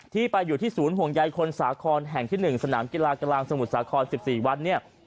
ไปอยู่ที่ศูนย์ห่วงใยคนสาครแห่งที่๑สนามกีฬากลางสมุทรสาคร๑๔วัดเนี่ย